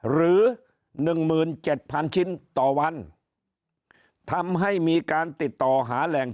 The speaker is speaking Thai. หรือหนึ่งหมื่นเจ็ดพันชิ้นต่อวันทำให้มีการติดต่อหาแหล่ง